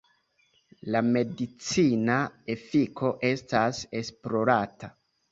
La medicina efiko estas esplorata.